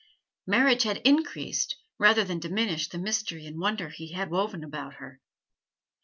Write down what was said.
Marriage had increased rather than diminished the mystery and wonder he had woven about her.